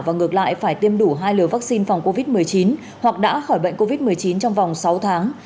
và ngược lại phải tiêm đủ hai liều vaccine phòng covid một mươi chín hoặc đã khỏi bệnh covid một mươi chín trong vòng sáu tháng